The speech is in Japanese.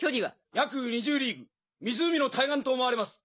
約２０リーグ湖の対岸と思われます。